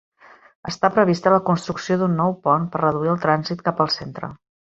Està prevista la construcció d'un nou pont per reduir el trànsit cap al centre.